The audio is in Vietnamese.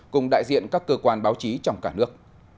cùng đại diện các cơ quan báo chí trong cả nước